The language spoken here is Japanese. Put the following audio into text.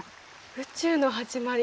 「宇宙のはじまり」